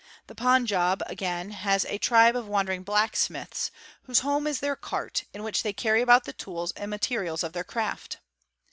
The Panjab, again, has ' a tribe of wandering blacksmiths, whose home is their cart, in which they carry about the tools and materials of their craft.